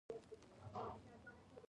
چې د دې دوائي سره به زۀ ښۀ شم